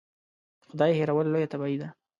خدای هېرول لویه تباهي ده.